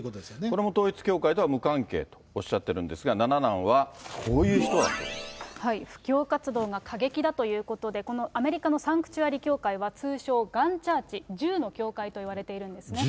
これも統一教会とは無関係とおっしゃってるんですが、七男は布教活動が過激だということで、このアメリカのサンクチュアリ教会は、通称、ガンチャーチ・銃の教会といわれているんですね。